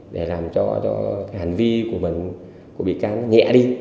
để làm cho hành vi của mình của bị can nó nhẹ đi